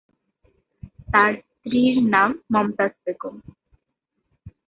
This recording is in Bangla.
তার স্ত্রীর নাম মমতাজ বেগম।